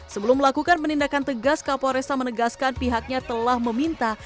sebelum melakukan penindakan tegas kapolresta menegaskan pihaknya telah meminta